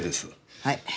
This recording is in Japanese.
はい。